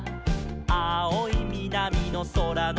「あおいみなみのそらのした」